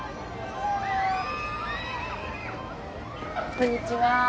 こんにちは。